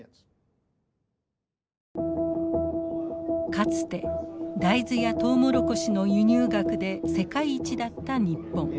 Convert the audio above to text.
かつて大豆やトウモロコシの輸入額で世界一だった日本。